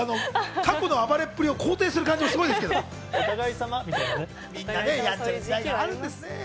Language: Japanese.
過去の暴れっぷりを肯定する感じもいいですけど、みんなやんちゃな時代があるんですね。